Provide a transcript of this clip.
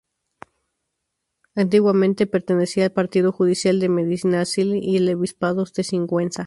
Antiguamente pertenecía al partido judicial de Medinaceli y al obispado de Sigüenza.